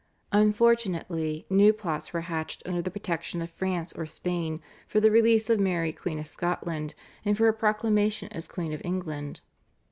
Unfortunately new plots were hatched under the protection of France or Spain for the release of Mary Queen of Scotland, and for her proclamation as Queen of England.